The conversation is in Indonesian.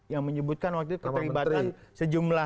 yang menyebutkan waktu itu keterlibatan sejumlah